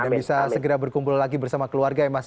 dan bisa segera berkumpul lagi bersama keluarga ya mas